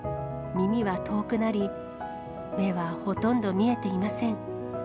耳は遠くなり、目はほとんど見えていません。